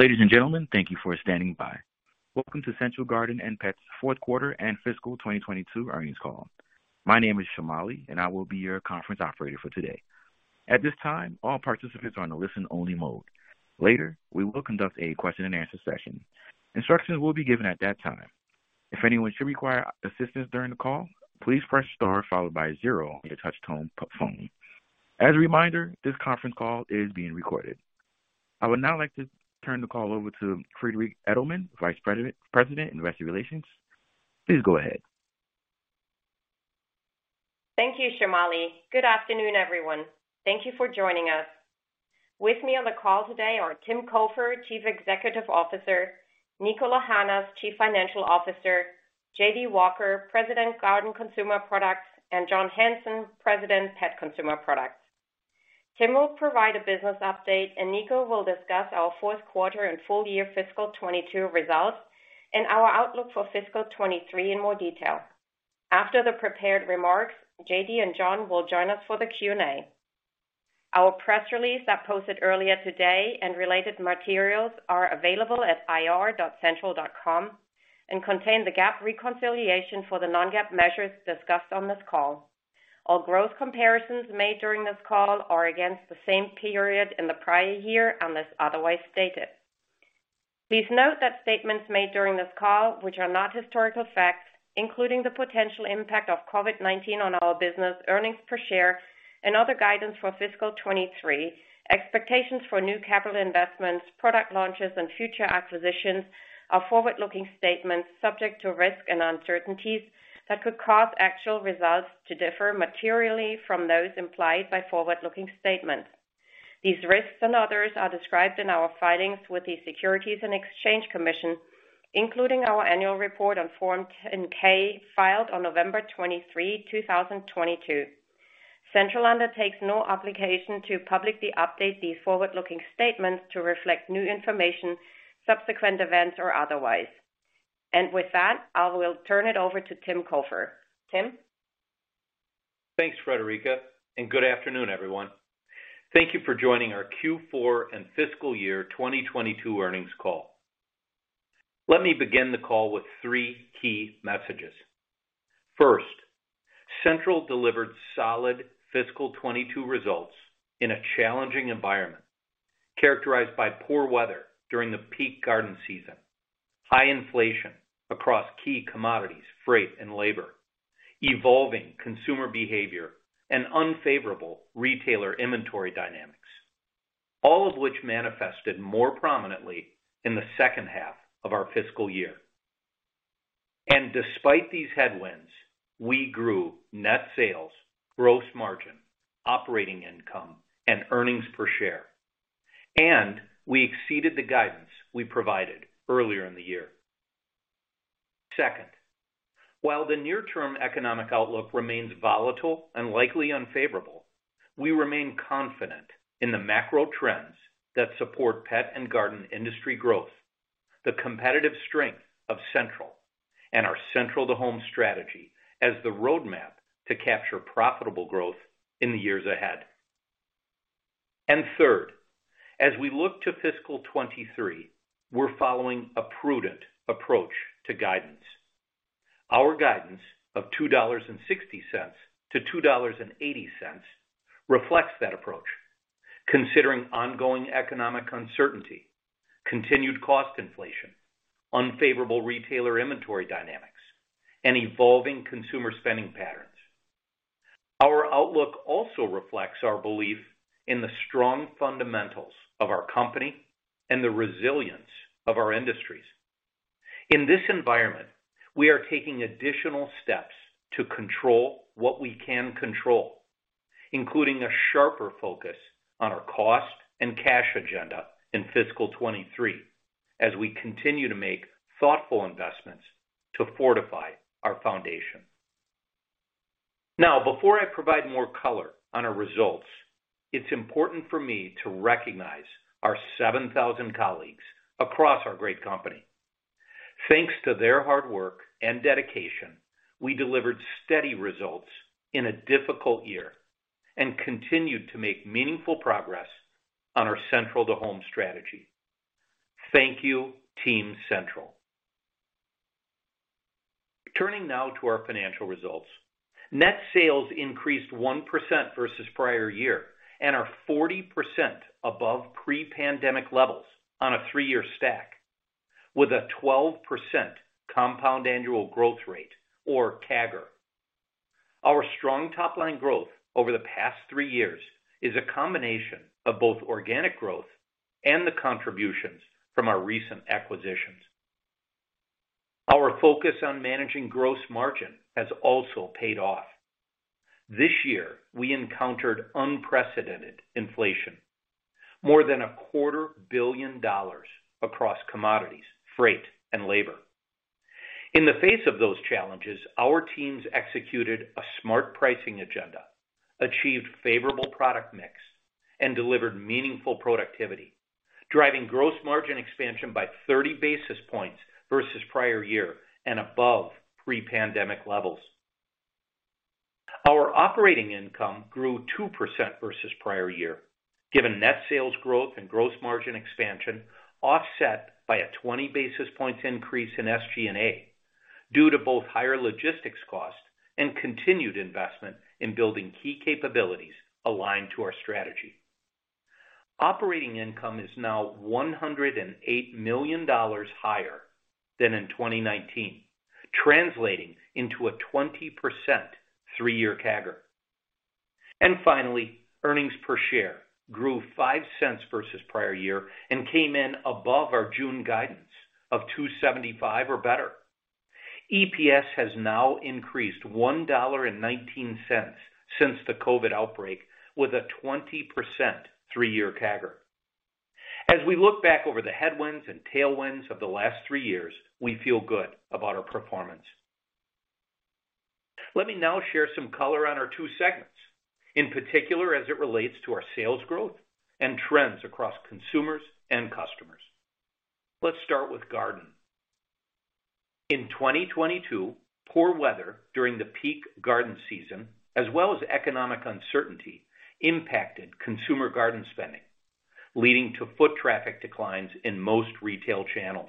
Ladies and gentlemen, thank you for standing by. Welcome to Central Garden & Pet's fourth quarter and fiscal 2022 earnings call. My name is Jamali, and I will be your conference operator for today. At this time, all participants are on a listen only mode. Later, we will conduct a question and answer session. Instructions will be given at that time. If anyone should require assistance during the call, please press star followed by 0 on your touch tone phone. As a reminder, this conference call is being recorded. I would now like to turn the call over to Friederike Edelmann, Vice President, Investor Relations. Please go ahead. Thank you, Jamali. Good afternoon, everyone. Thank you for joining us. With me on the call today are Tim Cofer, Chief Executive Officer, Niko Lahanas, Chief Financial Officer, J.D. Walker, President, Garden Consumer Products, and John Hanson, President, Pet Consumer Products. Tim will provide a business update, and Niko will discuss our fourth quarter and full year fiscal 2022 results and our outlook for fiscal 2023 in more detail. After the prepared remarks, J.D. and John will join us for the Q&A. Our press release that posted earlier today and related materials are available at ir.central.com and contain the GAAP reconciliation for the non-GAAP measures discussed on this call. All growth comparisons made during this call are against the same period in the prior year, unless otherwise stated. Please note that statements made during this call, which are not historical facts, including the potential impact of COVID-19 on our business, earnings per share, and other guidance for fiscal 2023, expectations for new capital investments, product launches and future acquisitions are forward-looking statements subject to risk and uncertainties that could cause actual results to differ materially from those implied by forward-looking statements. These risks and others are described in our filings with the Securities and Exchange Commission, including our annual report on Form 10-K filed on November 23, 2022. Central undertakes no obligation to publicly update these forward-looking statements to reflect new information, subsequent events or otherwise. With that, I will turn it over to Tim Cofer. Tim. Thanks, Friederike, good afternoon, everyone. Thank you for joining our Q4 and fiscal year 2022 earnings call. Let me begin the call with three key messages. First, Central delivered solid fiscal 2022 results in a challenging environment characterized by poor weather during the peak garden season, high inflation across key commodities, freight and labor, evolving consumer behavior and unfavorable retailer inventory dynamics, all of which manifested more prominently in the second half of our fiscal year. Despite these headwinds, we grew net sales, gross margin, operating income and earnings per share, and we exceeded the guidance we provided earlier in the year. Second, while the near term economic outlook remains volatile and likely unfavorable, we remain confident in the macro trends that support pet and garden industry growth, the competitive strength of Central and our Central to Home strategy as the roadmap to capture profitable growth in the years ahead. Third, as we look to fiscal 23, we're following a prudent approach to guidance. Our guidance of $2.60-$2.80 reflects that approach, considering ongoing economic uncertainty, continued cost inflation, unfavorable retailer inventory dynamics, and evolving consumer spending patterns. Our outlook also reflects our belief in the strong fundamentals of our company and the resilience of our industries. In this environment, we are taking additional steps to control what we can control, including a sharper focus on our cost and cash agenda in fiscal 23 as we continue to make thoughtful investments to fortify our foundation. Before I provide more color on our results, it's important for me to recognize our 7,000 colleagues across our great company. Thanks to their hard work and dedication, we delivered steady results in a difficult year and continued to make meaningful progress on our Central to Home strategy. Thank you, team Central. Turning now to our financial results. Net sales increased 1% versus prior year and are 40% above pre-pandemic levels on a 3-year stack with a 12% compound annual growth rate or CAGR. Our strong top-line growth over the past three years is a combination of both organic growth and the contributions from our recent acquisitions. Our focus on managing gross margin has also paid off. This year, we encountered unprecedented inflation, more than a quarter billion dollars across commodities, freight and labor. In the face of those challenges, our teams executed a smart pricing agenda, achieved favorable product mix, and delivered meaningful productivity, driving gross margin expansion by 30 basis points versus prior year and above pre-pandemic levels. Our operating income grew 2% versus prior year, given net sales growth and gross margin expansion offset by a 20 basis points increase in SG&A due to both higher logistics costs and continued investment in building key capabilities aligned to our strategy. Operating income is now $108 million higher than in 2019, translating into a 20% three-year CAGR. Finally, earnings per share grew $0.05 versus prior year and came in above our June guidance of $2.75 or better. EPS has now increased $1.19 since the COVID outbreak, with a 20% three-year CAGR. We look back over the headwinds and tailwinds of the last 3 years, we feel good about our performance. Let me now share some color on our 2 segments, in particular as it relates to our sales growth and trends across consumers and customers. Let's start with Garden. In 2022, poor weather during the peak garden season, as well as economic uncertainty impacted consumer garden spending, leading to foot traffic declines in most retail channels.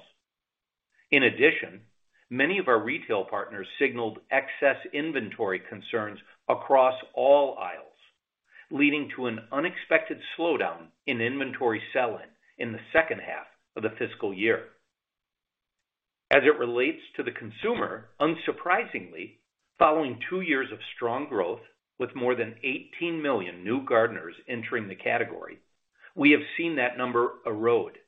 Many of our retail partners signaled excess inventory concerns across all aisles, leading to an unexpected slowdown in inventory sell-in in the second half of the fiscal year. As it relates to the consumer, unsurprisingly, following two years of strong growth with more than 18 million new gardeners entering the category, we have seen that number erode.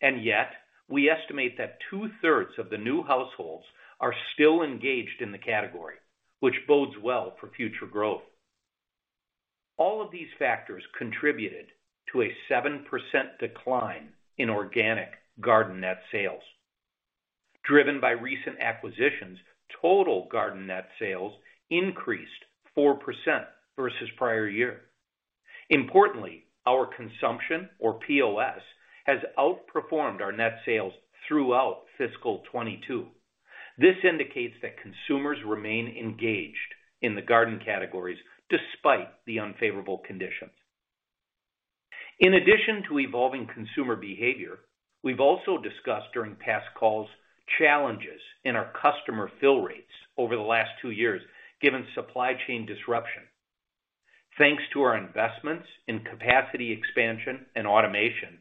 Yet, we estimate that two-thirds of the new households are still engaged in the category, which bodes well for future growth. All of these factors contributed to a 7% decline in organic garden net sales. Driven by recent acquisitions, total garden net sales increased 4% versus prior year. Our consumption, or POS, has outperformed our net sales throughout fiscal 22. This indicates that consumers remain engaged in the garden categories despite the unfavorable conditions. In addition to evolving consumer behavior, we've also discussed during past calls challenges in our customer fill rates over the last two years given supply chain disruption. Thanks to our investments in capacity expansion and automation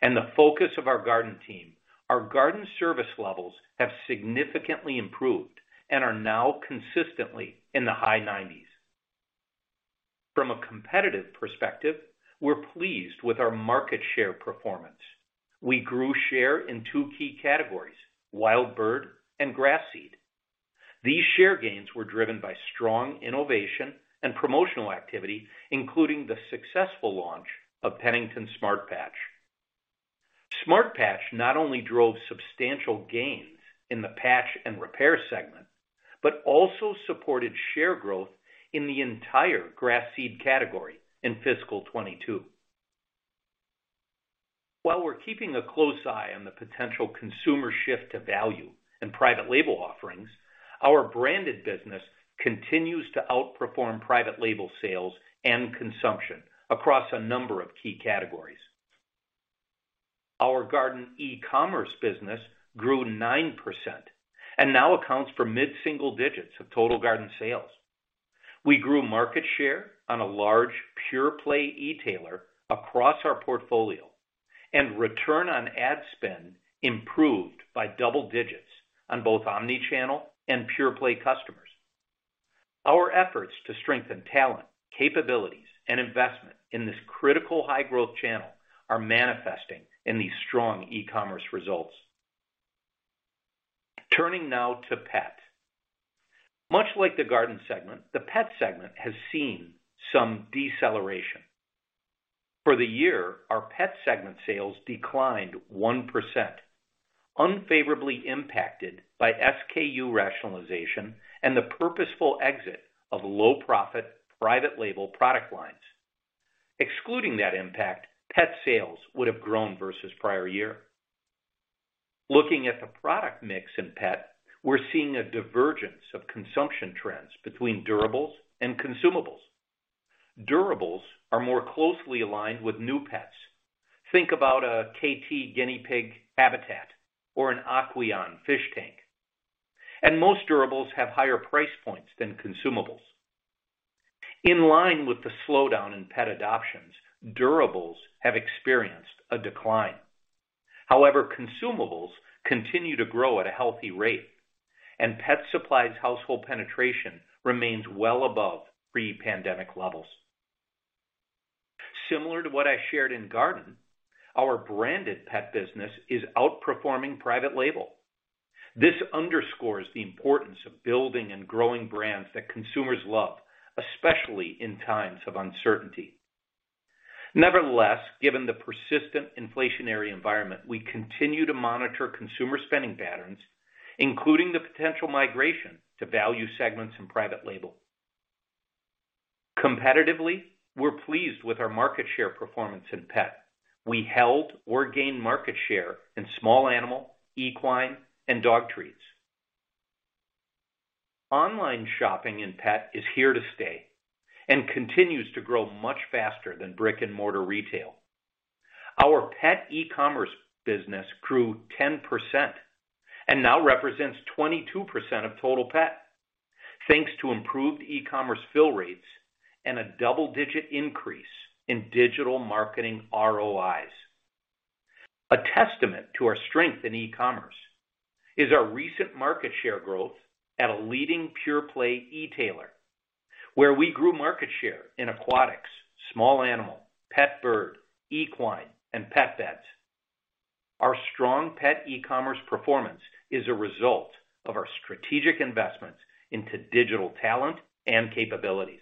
and the focus of our garden team, our garden service levels have significantly improved and are now consistently in the high 90s. From a competitive perspective, we're pleased with our market share performance. We grew share in two key categories: wild bird and grass seed. These share gains were driven by strong innovation and promotional activity, including the successful launch of Pennington Smart Patch. Smart Patch not only drove substantial gains in the patch and repair segment, but also supported share growth in the entire grass seed category in fiscal 22. While we're keeping a close eye on the potential consumer shift to value and private label offerings, our branded business continues to outperform private label sales and consumption across a number of key categories. Our garden e-commerce business grew 9% and now accounts for mid-single digits of total garden sales. We grew market share on a large pure-play e-tailer across our portfolio, and return on ad spend improved by double digits on both omni-channel and pure-play customers. Our efforts to strengthen talent, capabilities, and investment in this critical high-growth channel are manifesting in these strong e-commerce results. Turning now to Pet. Much like the Garden segment, the Pet segment has seen some deceleration. For the year, our Pet segment sales declined 1%, unfavorably impacted by SKU rationalization and the purposeful exit of low-profit private label product lines. Excluding that impact, Pet sales would have grown versus prior year. Looking at the product mix in Pet, we're seeing a divergence of consumption trends between durables and consumables. Durables are more closely aligned with new pets. Think about a Kaytee guinea pig habitat or an Aqueon fish tank. Most durables have higher price points than consumables. In line with the slowdown in pet adoptions, durables have experienced a decline. However, consumables continue to grow at a healthy rate, and pet supplies household penetration remains well above pre-pandemic levels. Similar to what I shared in Garden, our branded pet business is outperforming private label. This underscores the importance of building and growing brands that consumers love, especially in times of uncertainty. Nevertheless, given the persistent inflationary environment, we continue to monitor consumer spending patterns, including the potential migration to value segments and private label. Competitively, we're pleased with our market share performance in pet. We held or gained market share in small animal, equine, and dog treats. Online shopping in pet is here to stay and continues to grow much faster than brick-and-mortar retail. Our pet e-commerce business grew 10% and now represents 22% of total pet, thanks to improved e-commerce fill rates and a double-digit increase in digital marketing ROIs. A testament to our strength in e-commerce is our recent market share growth at a leading pure play e-tailer, where we grew market share in aquatics, small animal, pet bird, equine, and pet beds. Our strong pet e-commerce performance is a result of our strategic investments into digital talent and capabilities.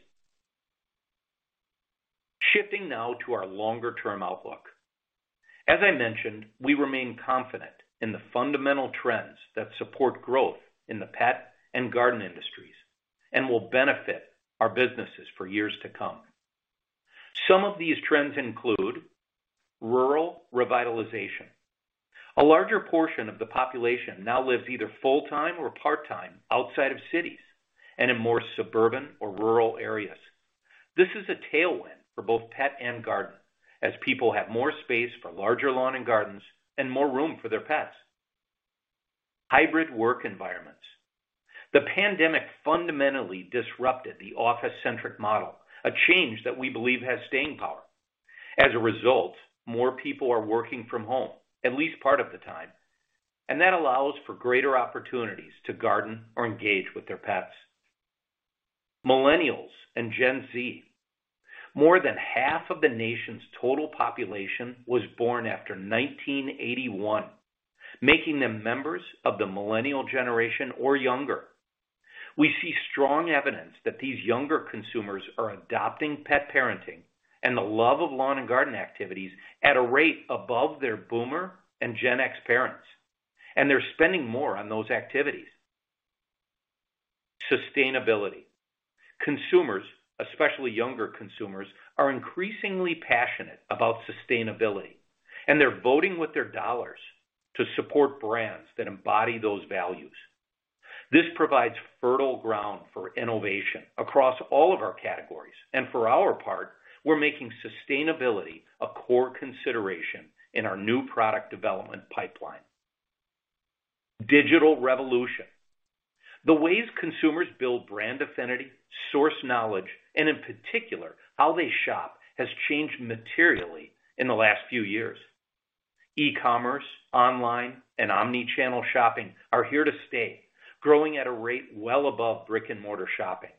Shifting now to our longer-term outlook. As I mentioned, we remain confident in the fundamental trends that support growth in the pet and garden industries and will benefit our businesses for years to come. Some of these trends include rural revitalization. A larger portion of the population now lives either full-time or part-time outside of cities and in more suburban or rural areas. This is a tailwind for both pet and garden, as people have more space for larger lawn and gardens and more room for their pets. Hybrid work environments. The pandemic fundamentally disrupted the office-centric model, a change that we believe has staying power. More people are working from home at least part of the time, and that allows for greater opportunities to garden or engage with their pets. Millennials and Gen Z. More than half of the nation's total population was born after 1981, making them members of the millennial generation or younger. We see strong evidence that these younger consumers are adopting pet parenting and the love of lawn and garden activities at a rate above their Boomer and Gen X parents, and they're spending more on those activities. Sustainability. Consumers, especially younger consumers, are increasingly passionate about sustainability. They're voting with their dollars to support brands that embody those values. This provides fertile ground for innovation across all of our categories. For our part, we're making sustainability a core consideration in our new product development pipeline. Digital revolution. The ways consumers build brand affinity, source knowledge, and in particular, how they shop, has changed materially in the last few years. e-commerce, online, and omnichannel shopping are here to stay, growing at a rate well above brick-and-mortar shopping.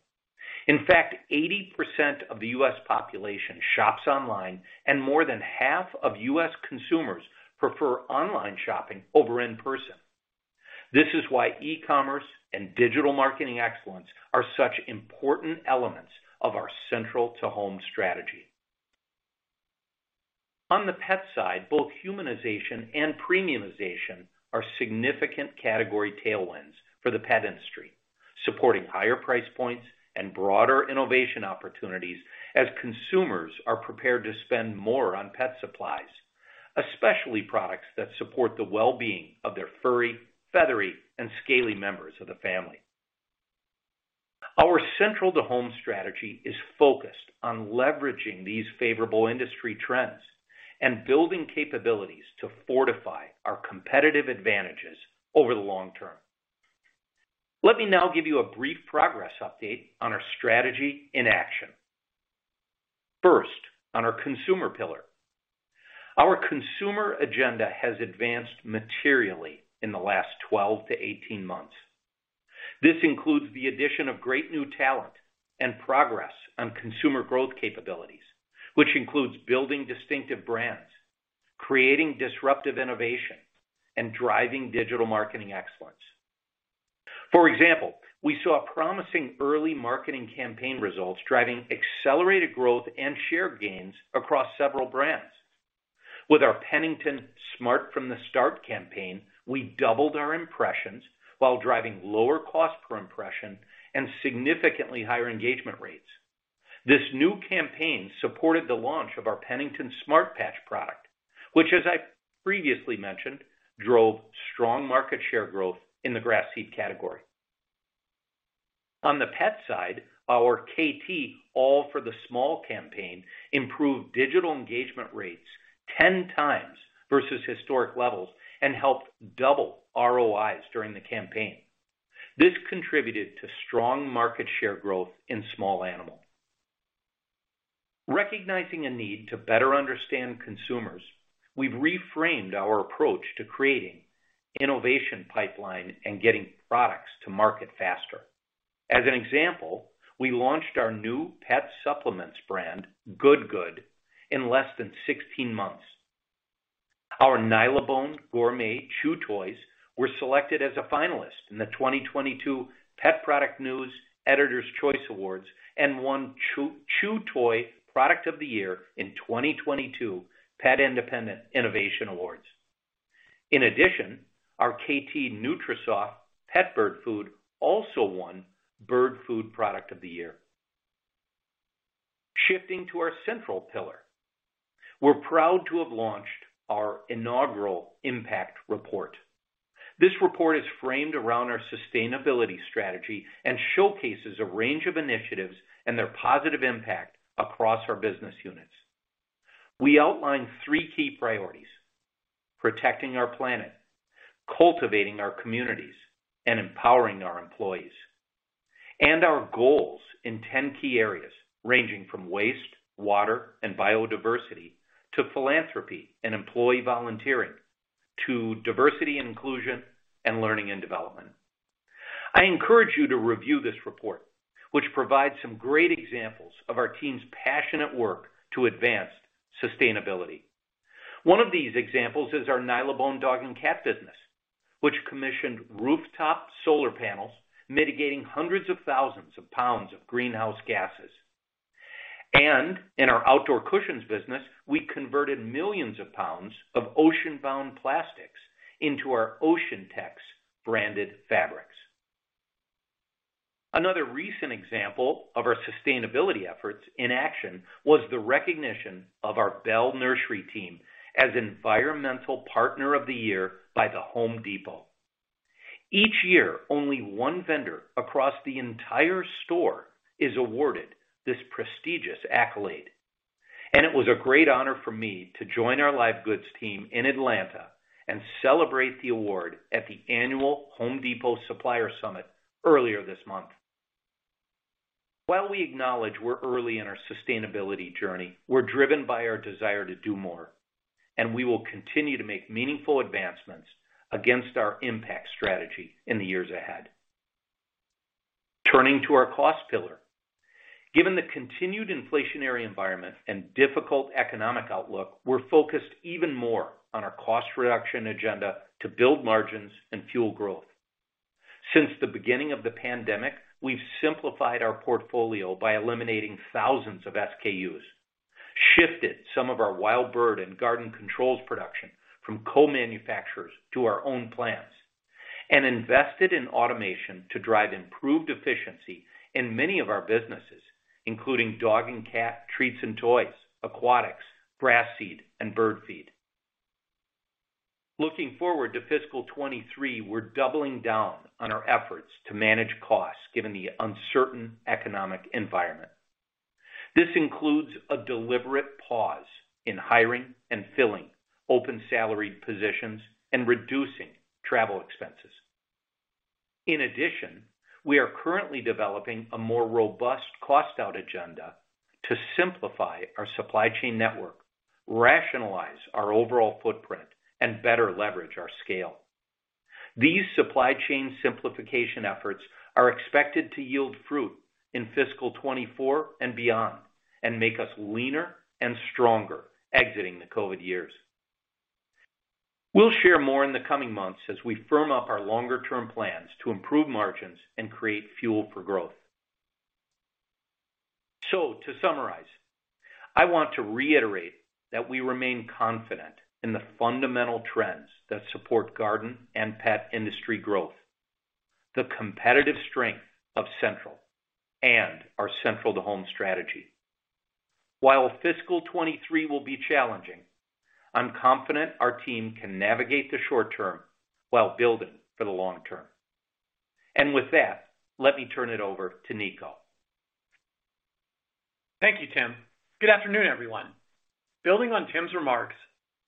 In fact, 80% of the U.S. population shops online. More than half of U.S. consumers prefer online shopping over in person. This is why e-commerce and digital marketing excellence are such important elements of our Central to Home strategy. On the pet side, both humanization and premiumization are significant category tailwinds for the pet industry, supporting higher price points and broader innovation opportunities as consumers are prepared to spend more on pet supplies, especially products that support the well-being of their furry, feathery, and scaly members of the family. Our Central to Home strategy is focused on leveraging these favorable industry trends and building capabilities to fortify our competitive advantages over the long term. Let me now give you a brief progress update on our strategy in action. First, on our consumer pillar. Our consumer agenda has advanced materially in the last 12-18 months. This includes the addition of great new talent and progress on consumer growth capabilities, which includes building distinctive brands, creating disruptive innovation, and driving digital marketing excellence. For example, we saw promising early marketing campaign results driving accelerated growth and share gains across several brands. With our Pennington Smart from the Start campaign, we doubled our impressions while driving lower cost per impression and significantly higher engagement rates. This new campaign supported the launch of our Pennington Smart Patch product, which, as I previously mentioned, drove strong market share growth in the grass seed category. On the pet side, our Kaytee All for the Small campaign improved digital engagement rates 10 times versus historic levels and helped double ROIs during the campaign. This contributed to strong market share growth in small animal. Recognizing a need to better understand consumers, we've reframed our approach to creating innovation pipeline and getting products to market faster. As an example, we launched our new pet supplements brand, GoodGood, in less than 16 months. Our Nylabone gourmet chew toys were selected as a finalist in the 2022 Pet Product News Editor's Choice Awards and won Chew Toy Product of the Year in 2022 Pet Independent Innovation Awards. In addition, our KT NutriSoft pet bird food also won Bird Food Product of the Year. Shifting to our central pillar, we're proud to have launched our inaugural impact report. This report is framed around our sustainability strategy and showcases a range of initiatives and their positive impact across our business units. We outlined three key priorities: protecting our planet, cultivating our communities, and empowering our employees, and our goals in 10 key areas ranging from waste, water, and biodiversity to philanthropy and employee volunteering, to diversity and inclusion, and learning and development. I encourage you to review this report, which provides some great examples of our team's passionate work to advance sustainability. One of these examples is our Nylabone dog and cat business, which commissioned rooftop solar panels, mitigating hundreds of thousands of pounds of greenhouse gases. In our outdoor cushions business, we converted millions of pounds of ocean-bound plastics into our OceanTex branded fabrics. Another recent example of our sustainability efforts in action was the recognition of our Bell Nursery team as Environmental Partner of the Year by The Home Depot. Each year, only one vendor across the entire store is awarded this prestigious accolade. It was a great honor for me to join our live goods team in Atlanta and celebrate the award at the annual Home Depot Supplier Summit earlier this month. While we acknowledge we're early in our sustainability journey, we're driven by our desire to do more, and we will continue to make meaningful advancements against our impact strategy in the years ahead. Turning to our cost pillar. Given the continued inflationary environment and difficult economic outlook, we're focused even more on our cost reduction agenda to build margins and fuel growth. Since the beginning of the pandemic, we've simplified our portfolio by eliminating thousands of SKUs, shifted some of our wild bird and garden controls production from co-manufacturers to our own plants, and invested in automation to drive improved efficiency in many of our businesses, including dog and cat treats and toys, aquatics, grass seed, and bird feed. Looking forward to fiscal 2023, we're doubling down on our efforts to manage costs given the uncertain economic environment. This includes a deliberate pause in hiring and filling open salaried positions and reducing travel expenses. We are currently developing a more robust cost-out agenda to simplify our supply chain network, rationalize our overall footprint, and better leverage our scale. These supply chain simplification efforts are expected to yield fruit in fiscal 2024 and beyond and make us leaner and stronger exiting the COVID years. We'll share more in the coming months as we firm up our longer term plans to improve margins and create fuel for growth. To summarize, I want to reiterate that we remain confident in the fundamental trends that support garden and pet industry growth, the competitive strength of Central and our Central to Home strategy. While fiscal 2023 will be challenging, I'm confident our team can navigate the short term while building for the long term. With that, let me turn it over to Nico. Thank you, Tim. Good afternoon, everyone. Building on Tim's remarks,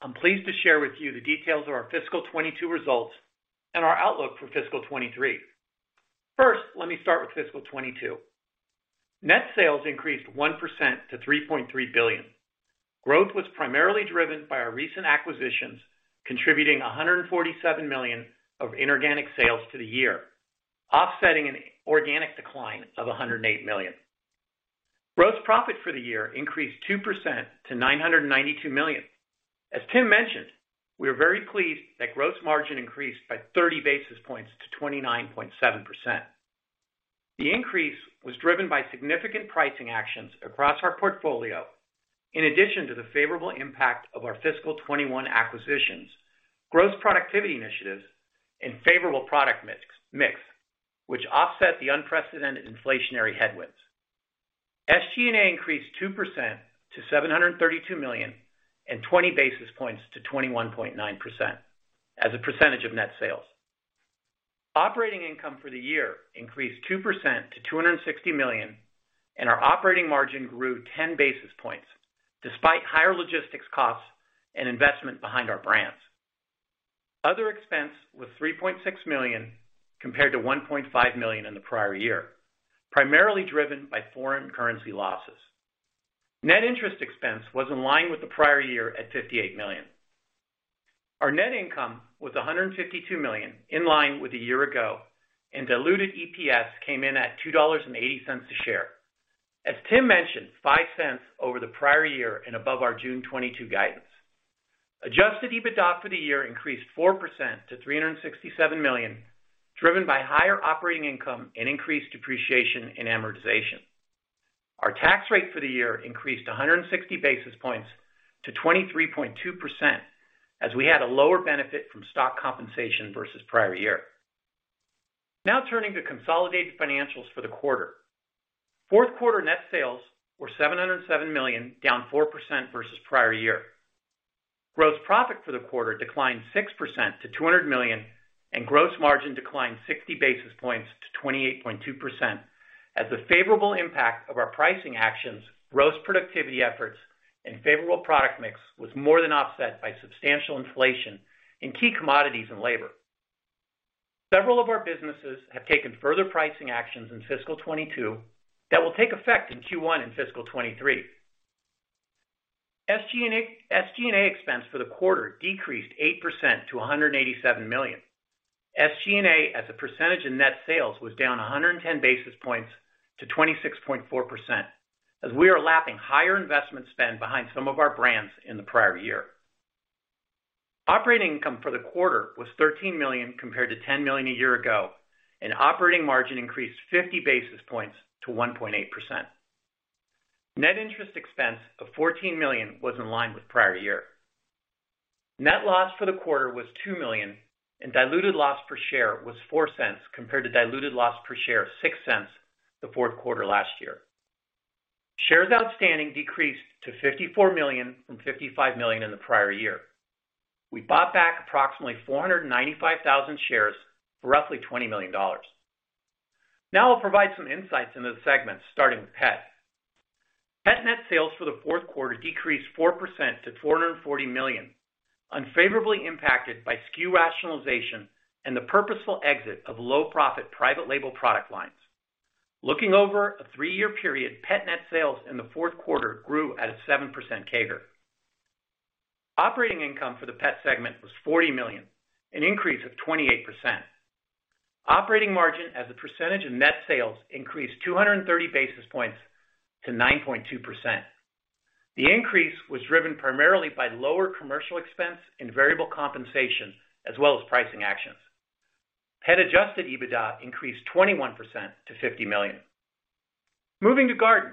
I'm pleased to share with you the details of our fiscal 2022 results and our outlook for fiscal 2023. First, let me start with fiscal 2022. Net sales increased 1% to $3.3 billion. Growth was primarily driven by our recent acquisitions, contributing $147 million of inorganic sales to the year, offsetting an organic decline of $108 million. Gross profit for the year increased 2% to $992 million. As Tim mentioned, we are very pleased that gross margin increased by 30 basis points to 29.7%. The increase was driven by significant pricing actions across our portfolio, in addition to the favorable impact of our fiscal 2021 acquisitions, gross productivity initiatives and favorable product mix, which offset the unprecedented inflationary headwinds. SG&A increased 2% to $732 million and 20 basis points to 21.9% as a percentage of net sales. Operating income for the year increased 2% to $260 million, and our operating margin grew 10 basis points despite higher logistics costs and investment behind our brands. Other expense was $3.6 million compared to $1.5 million in the prior year, primarily driven by foreign currency losses. Net interest expense was in line with the prior year at $58 million. Our net income was $152 million, in line with a year ago, and diluted EPS came in at $2.80 a share. As Tim mentioned, $0.05 over the prior year and above our June 2022 guidance. Adjusted EBITDA for the year increased 4% to $367 million, driven by higher operating income and increased depreciation in amortization. Our tax rate for the year increased 160 basis points to 23.2% as we had a lower benefit from stock compensation versus prior year. Turning to consolidated financials for the quarter. Fourth quarter net sales were $707 million, down 4% versus prior year. Gross profit for the quarter declined 6% to $200 million, and gross margin declined 60 basis points to 28.2% as the favorable impact of our pricing actions, gross productivity efforts, and favorable product mix was more than offset by substantial inflation in key commodities and labor. Several of our businesses have taken further pricing actions in fiscal 22 that will take effect in Q1 in fiscal 23. SG&A expense for the quarter decreased 8% to $187 million. SG&A as a percentage of net sales was down 110 basis points to 26.4% as we are lapping higher investment spend behind some of our brands in the prior year. Operating income for the quarter was $13 million compared to $10 million a year ago, and operating margin increased 50 basis points to 1.8%. Net interest expense of $14 million was in line with prior year. Net loss for the quarter was $2 million, and diluted loss per share was $0.04 compared to diluted loss per share of $0.06 the fourth quarter last year. Shares outstanding decreased to 54 million from 55 million in the prior year. We bought back approximately 495,000 shares for roughly $20 million. I'll provide some insights into the segments, starting with pet. Pet net sales for the fourth quarter decreased 4% to $440 million, unfavorably impacted by SKU rationalization and the purposeful exit of low profit private label product lines. Looking over a 3-year period, pet net sales in the fourth quarter grew at a 7% CAGR. Operating income for the pet segment was $40 million, an increase of 28%. Operating margin as a percentage of net sales increased 230 basis points to 9.2%. The increase was driven primarily by lower commercial expense and variable compensation, as well as pricing actions. Pet adjusted EBITDA increased 21% to $50 million. Moving to garden.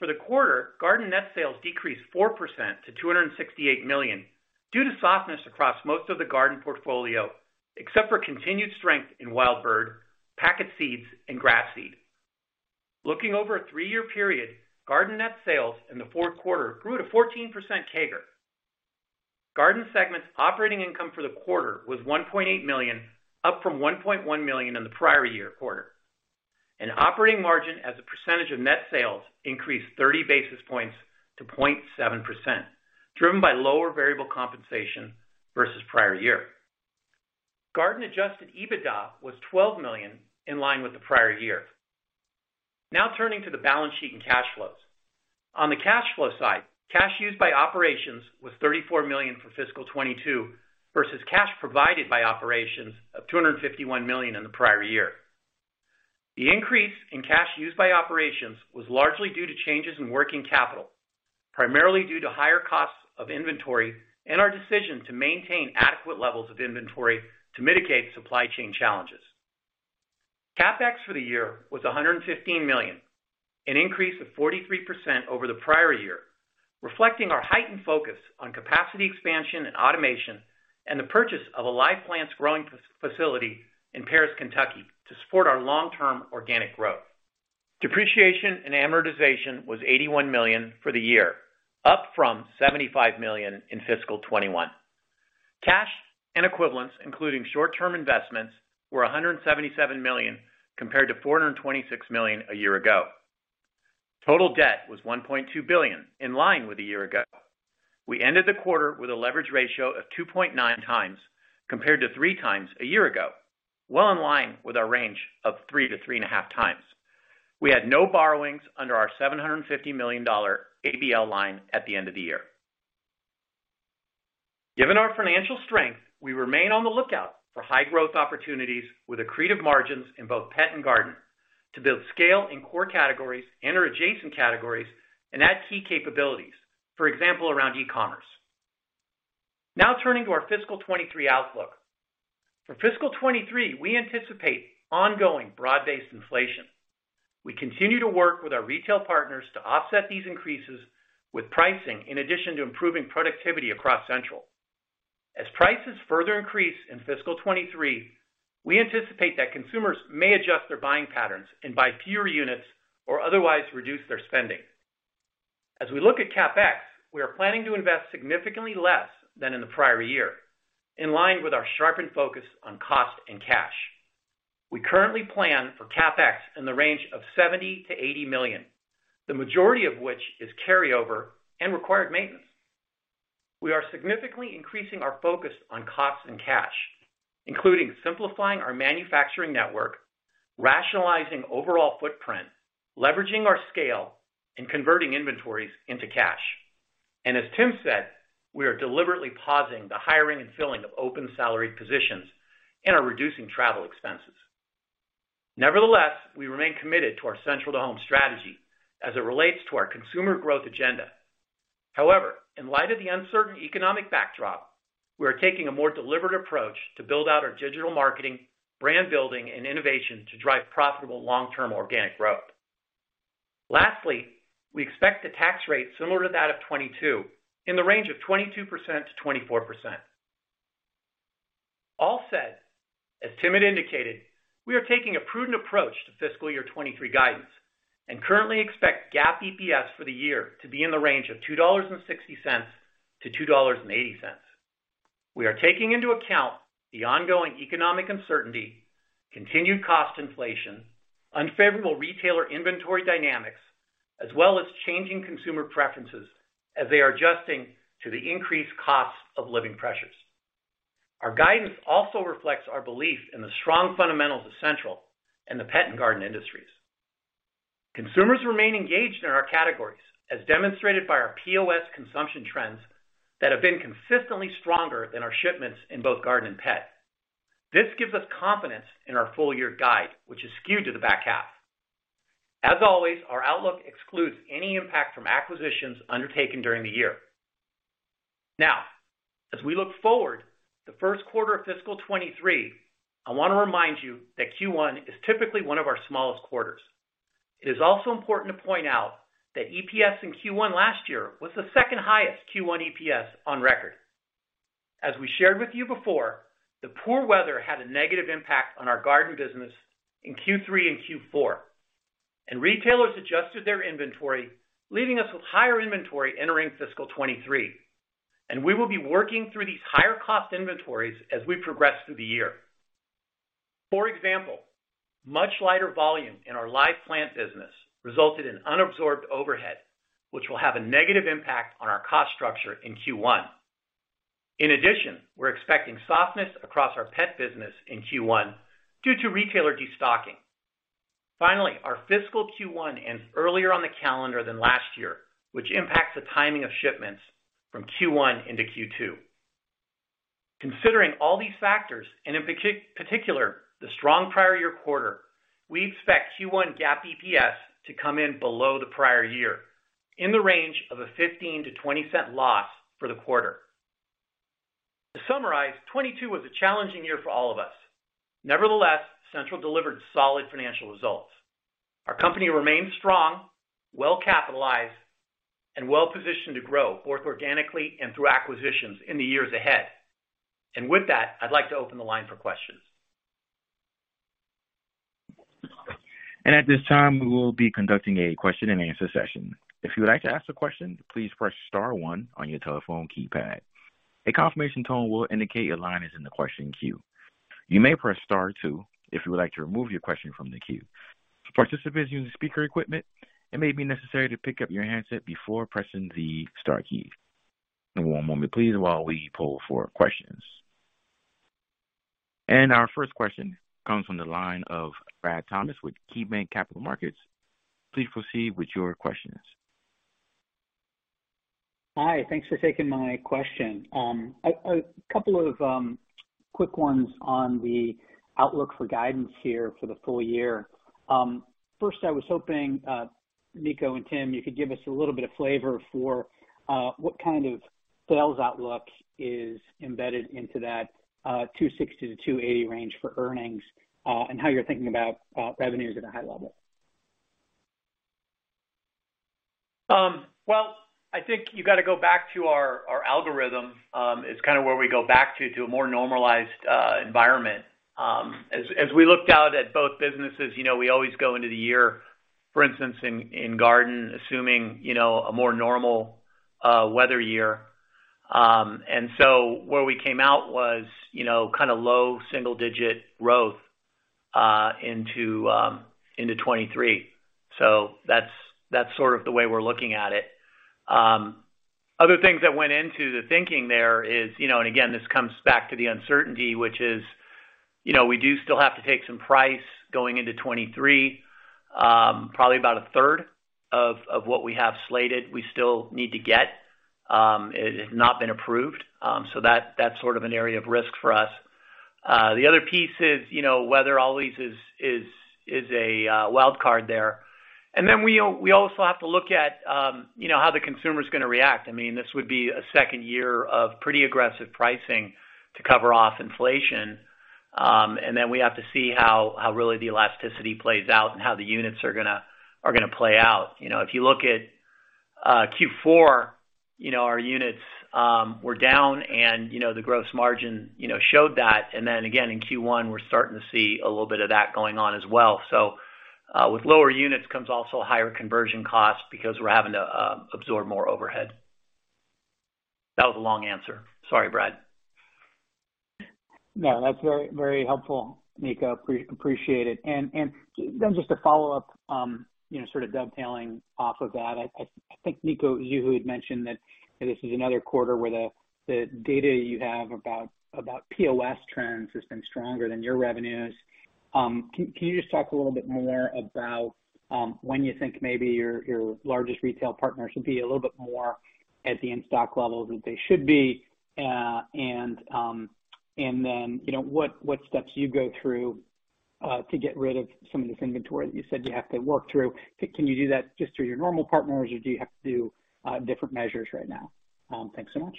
For the quarter, Garden net sales decreased 4% to $268 million due to softness across most of the Garden portfolio, except for continued strength in wild bird, packet seeds, and grass seed. Looking over a three-year period, Garden net sales in the fourth quarter grew at a 14% CAGR. Garden segment's operating income for the quarter was $1.8 million, up from $1.1 million in the prior year quarter. Operating margin as a percentage of net sales increased 30 basis points to 0.7%, driven by lower variable compensation versus prior year. Garden adjusted EBITDA was $12 million, in line with the prior year. Now turning to the balance sheet and cash flows. On the cash flow side, cash used by operations was $34 million for fiscal 2022 versus cash provided by operations of $251 million in the prior year. The increase in cash used by operations was largely due to changes in working capital, primarily due to higher costs of inventory and our decision to maintain adequate levels of inventory to mitigate supply chain challenges. CapEx for the year was $115 million, an increase of 43% over the prior year, reflecting our heightened focus on capacity expansion and automation and the purchase of a live plants growing facility in Paris, Kentucky to support our long-term organic growth. Depreciation and amortization was $81 million for the year, up from $75 million in fiscal 2021. Cash and equivalents, including short-term investments, were $177 million compared to $426 million a year ago. Total debt was $1.2 billion, in line with a year ago. We ended the quarter with a leverage ratio of 2.9 times compared to 3 times a year ago, well in line with our range of 3-3.5 times. We had no borrowings under our $750 million ABL line at the end of the year. Given our financial strength, we remain on the lookout for high growth opportunities with accretive margins in both pet and garden to build scale in core categories and/or adjacent categories and add key capabilities, for example, around e-commerce. Now turning to our fiscal 2023 outlook. For fiscal 2023, we anticipate ongoing broad-based inflation. We continue to work with our retail partners to offset these increases with pricing in addition to improving productivity across Central. As prices further increase in fiscal 23, we anticipate that consumers may adjust their buying patterns and buy fewer units or otherwise reduce their spending. As we look at CapEx, we are planning to invest significantly less than in the prior year, in line with our sharpened focus on cost and cash. We currently plan for CapEx in the range of $70 million-$80 million, the majority of which is carryover and required maintenance. We are significantly increasing our focus on costs and cash, including simplifying our manufacturing network, rationalizing overall footprint, leveraging our scale, and converting inventories into cash. As Tim said, we are deliberately pausing the hiring and filling of open salaried positions and are reducing travel expenses. Nevertheless, we remain committed to our Central to Home strategy as it relates to our consumer growth agenda. However, in light of the uncertain economic backdrop, we are taking a more deliberate approach to build out our digital marketing, brand building, and innovation to drive profitable long-term organic growth. Lastly, we expect the tax rate similar to that of 2022, in the range of 22%-24%. All said, as Tim had indicated, we are taking a prudent approach to fiscal year 2023 guidance and currently expect GAAP EPS for the year to be in the range of $2.60-$2.80. We are taking into account the ongoing economic uncertainty, continued cost inflation, unfavorable retailer inventory dynamics, as well as changing consumer preferences as they are adjusting to the increased cost of living pressures. Our guidance also reflects our belief in the strong fundamentals of Central and the pet and garden industries. Consumers remain engaged in our categories, as demonstrated by our POS consumption trends that have been consistently stronger than our shipments in both garden and pet. This gives us confidence in our full year guide, which is skewed to the back half. As always, our outlook excludes any impact from acquisitions undertaken during the year. As we look forward, the first quarter of fiscal 2023, I wanna remind you that Q1 is typically one of our smallest quarters. It is also important to point out that EPS in Q1 last year was the second highest Q1 EPS on record. We shared with you before, the poor weather had a negative impact on our garden business in Q3 and Q4, and retailers adjusted their inventory, leaving us with higher inventory entering fiscal 23, and we will be working through these higher cost inventories as we progress through the year. For example, much lighter volume in our live plant business resulted in unabsorbed overhead, which will have a negative impact on our cost structure in Q1. In addition, we're expecting softness across our pet business in Q1 due to retailer destocking. Finally, our fiscal Q1 ends earlier on the calendar than last year, which impacts the timing of shipments from Q1 into Q2. Considering all these factors, and in particular, the strong prior year quarter, we expect Q1 GAAP EPS to come in below the prior year in the range of a $0.15-$0.20 loss for the quarter. To summarize, 22 was a challenging year for all of us. Nevertheless, Central delivered solid financial results. Our company remains strong, well capitalized, and well-positioned to grow, both organically and through acquisitions in the years ahead. With that, I'd like to open the line for questions. At this time, we will be conducting a question-and-answer session. If you would like to ask a question, please press star one on your telephone keypad. A confirmation tone will indicate your line is in the question queue. You may press star two if you would like to remove your question from the queue. Participants using speaker equipment, it may be necessary to pick up your handset before pressing the star key. One moment please while we poll for questions. Our first question comes from the line of Brad Thomas with KeyBanc Capital Markets. Please proceed with your questions. Hi. Thanks for taking my question. A couple of quick ones on the outlook for guidance here for the full year. First, I was hoping, Nico and Tim, you could give us a little bit of flavor for what kind of sales outlook is embedded into that $2.60-$2.80 range for earnings, and how you're thinking about revenues at a high level. Well, I think you gotta go back to our algorithm, is kinda where we go back to a more normalized environment. As, as we looked out at both businesses, you know, we always go into the year, for instance, in garden, assuming, you know, a more normal weather year. Where we came out was, you know, kinda low single digit growth, into 2023. That's, that's sort of the way we're looking at it. Other things that went into the thinking there is, you know, and again, this comes back to the uncertainty, which is, you know, we do still have to take some price going into 2023. Probably about a third of what we have slated, we still need to get. It has not been approved. So that's sort of an area of risk for us. The other piece is, you know, weather always is, is a wild card there. We also have to look at, you know, how the consumer's gonna react. I mean, this would be a second year of pretty aggressive pricing to cover off inflation. We have to see how really the elasticity plays out and how the units are gonna, are gonna play out. You know, if you look at Q4, you know, our units were down and, you know, the gross margin, you know, showed that. Again in Q1, we're starting to see a little bit of that going on as well. With lower units comes also a higher conversion cost because we're having to absorb more overhead. That was a long answer. Sorry, Brad. No, that's very, very helpful, Nico. Appreciate it. Just to follow up, you know, sort of dovetailing off of that, I think, Nico, you had mentioned that this is another quarter where the data you have about POS trends has been stronger than your revenues. Can you just talk a little bit more about when you think maybe your largest retail partners will be a little bit more at the in-stock level that they should be? You know, what steps you go through To get rid of some of this inventory that you said you have to work through, can you do that just through your normal partners or do you have to do different measures right now? Thanks so much.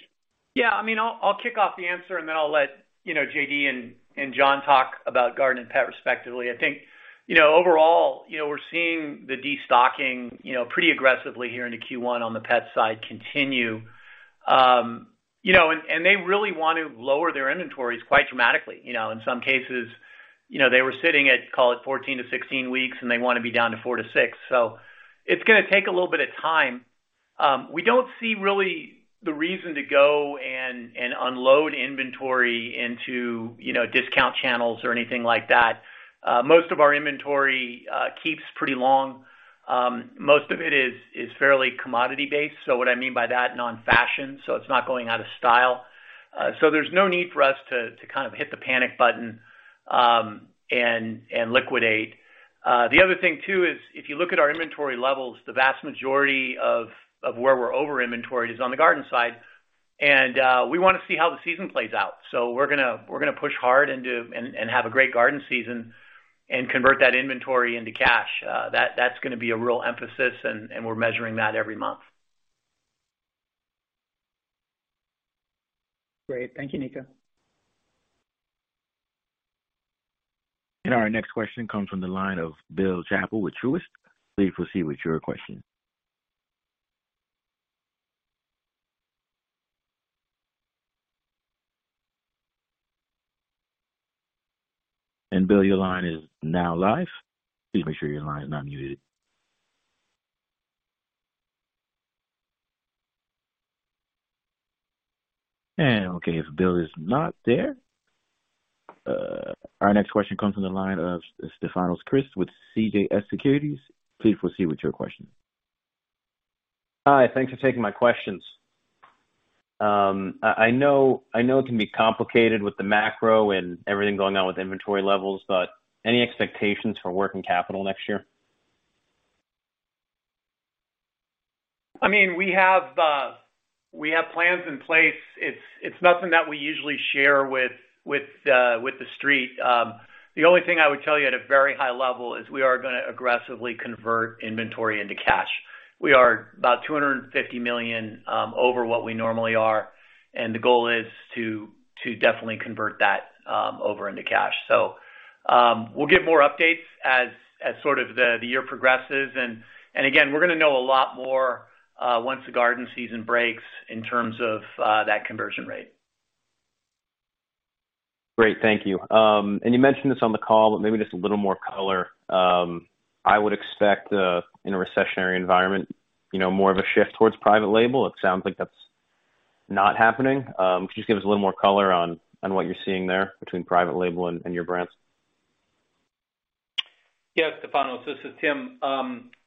I mean, I'll kick off the answer and then I'll let, you know, J.D. and John talk about garden and pet respectively. I think, you know, overall, you know, we're seeing the destocking, you know, pretty aggressively here into Q1 on the pet side continue. You know, and they really want to lower their inventories quite dramatically. You know, in some cases, you know, they were sitting at, call it 14-16 weeks, and they wanna be down to 4-6. It's gonna take a little bit of time. We don't see really the reason to go and unload inventory into, you know, discount channels or anything like that. Most of our inventory keeps pretty long. Most of it is fairly commodity-based. What I mean by that, non-fashion, so it's not going out of style. There's no need for us to kind of hit the panic button and liquidate. The other thing too is if you look at our inventory levels, the vast majority of where we're over inventoried is on the garden side, we wanna see how the season plays out. We're gonna push hard and have a great garden season and convert that inventory into cash. That's gonna be a real emphasis and we're measuring that every month. Great. Thank you, Nika. Our next question comes from the line of Bill Chappell with Truist. Please proceed with your question. Bill, your line is now live. Please make sure your line is not muted. Okay, if Bill is not there, our next question comes from the line of Stefanos Crist with CJS Securities. Please proceed with your question. Hi. Thanks for taking my questions. I know it can be complicated with the macro and everything going on with inventory levels. Any expectations for working capital next year? I mean, we have plans in place. It's nothing that we usually share with the Street. The only thing I would tell you at a very high level is we are gonna aggressively convert inventory into cash. We are about $250 million over what we normally are, and the goal is to definitely convert that over into cash. We'll give more updates as sort of the year progresses. Again, we're gonna know a lot more once the garden season breaks in terms of that conversion rate. Great. Thank you. You mentioned this on the call, but maybe just a little more color. I would expect, in a recessionary environment, you know, more of a shift towards private label. It sounds like that's not happening. Could you just give us a little more color on what you're seeing there between private label and your brands? Yeah, Stefanos, this is Tim.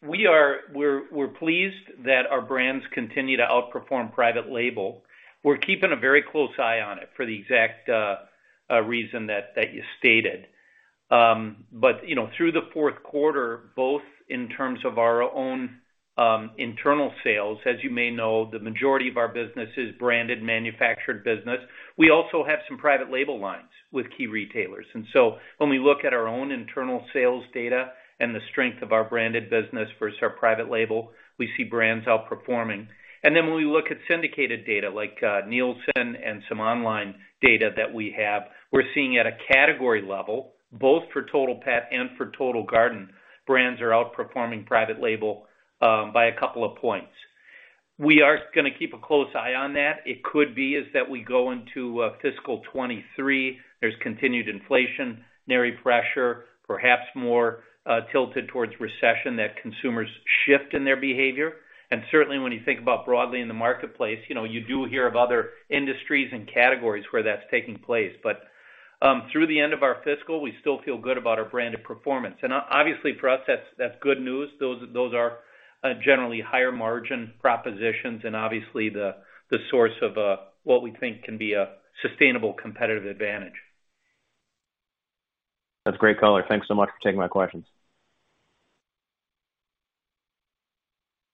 We're pleased that our brands continue to outperform private label. We're keeping a very close eye on it for the exact reason that you stated. You know, through the fourth quarter, both in terms of our own internal sales, as you may know, the majority of our business is branded manufactured business. We also have some private label lines with key retailers. When we look at our own internal sales data and the strength of our branded business versus our private label, we see brands outperforming. When we look at syndicated data like Nielsen and some online data that we have, we're seeing at a category level, both for total pet and for total garden, brands are outperforming private label by a couple of points. We are gonna keep a close eye on that. It could be is that we go into fiscal 2023, there's continued inflationary pressure, perhaps more tilted towards recession, that consumers shift in their behavior. Certainly when you think about broadly in the marketplace, you know, you do hear of other industries and categories where that's taking place. Through the end of our fiscal, we still feel good about our brand of performance. Obviously for us that's good news. Those are generally higher margin propositions and obviously the source of what we think can be a sustainable competitive advantage. That's great color. Thanks so much for taking my questions.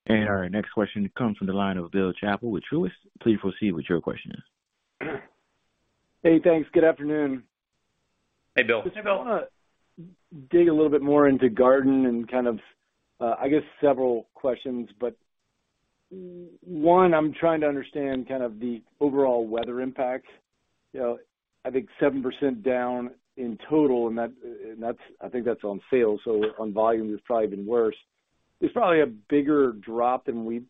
Our next question comes from the line of Bill Chappell with Truist. Please proceed with your question. Hey, thanks. Good afternoon. Hey, Bill. Hey, Bill. Just wanna dig a little bit more into garden and kind of, I guess several questions. One, I'm trying to understand kind of the overall weather impact. You know, I think 7% down in total, and that's I think that's on sales, so on volume it's probably even worse. It's probably a bigger drop than we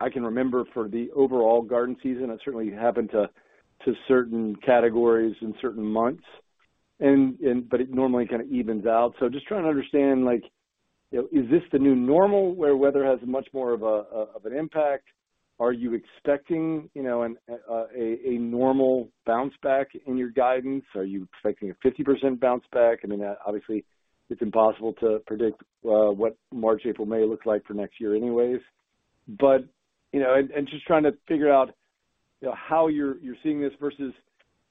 I can remember for the overall garden season. It certainly happened to certain categories in certain months and, but it normally kind of evens out. Just trying to understand like, you know, is this the new normal where weather has much more of a, of an impact? Are you expecting, you know, a normal bounce back in your guidance? Are you expecting a 50% bounce back? I mean, obviously it's impossible to predict what March, April, May looks like for next year anyways. you know, and just trying to figure out, you know, how you're seeing this versus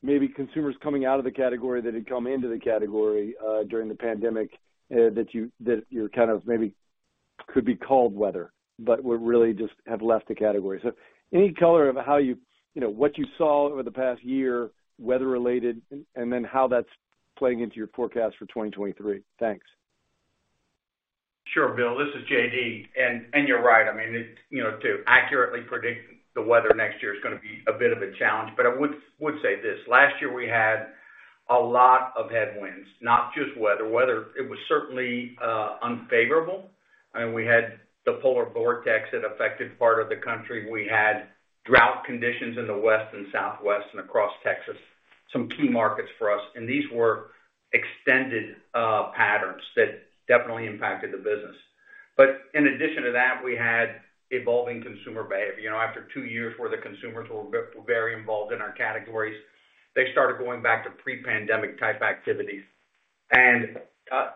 maybe consumers coming out of the category that had come into the category during the pandemic, that you, that you're kind of maybe could be cold weather, but we really just have left the category. any color of how you know, what you saw over the past year, weather-related, and then how that's playing into your forecast for 2023. Thanks. Sure, Bill. This is J.D. You're right. I mean, it. You know, to accurately predict the weather next year is gonna be a bit of a challenge. I would say this. Last year we had a lot of headwinds, not just weather. Weather, it was certainly unfavorable. I mean, we had the polar vortex that affected part of the country. We had drought conditions in the west and southwest and across Texas, some key markets for us. These were extended patterns that definitely impacted the business. In addition to that, we had evolving consumer behavior. You know, after 2 years where the consumers were very involved in our categories, they started going back to pre-pandemic type activities.